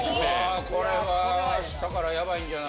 わこれは明日からヤバいんじゃない？